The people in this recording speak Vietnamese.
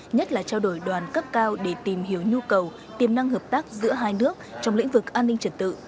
nhất là trao đổi đoàn cấp cao để tìm hiểu nhu cầu tiềm năng hợp tác giữa hai nước trong lĩnh vực an ninh trật tự